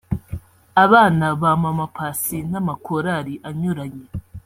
abana ba Mama Paccy n’amakorali anyuranye